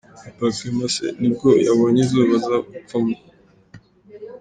Papa Clement X nibwo yabonye izuba aza gupfa mu .